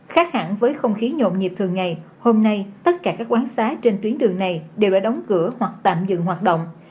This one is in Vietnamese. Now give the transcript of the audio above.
khác hẳn với không khí nhộn nhịp thường ngày hôm nay tất cả các quán xá trên tuyến đường này đều đã đóng cửa hoặc tạm dừng hoạt động